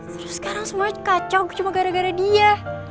terus sekarang semuanya kacau cuma gara gara dia